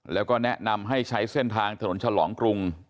แล้วก็แนะนำให้ใช้เส้นทางถนนฉลองกรุง